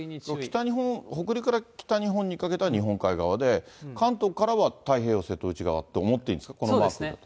北日本、北陸から北日本にかけては日本海側で、関東からは太平洋、瀬戸内側と思っていいですか、このマークだと。